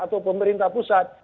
atau pemerintah pusat